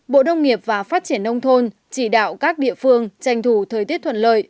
bộ nông nghiệp và phát triển nông thôn chỉ đạo các địa phương tranh thủ thời tiết thuận lợi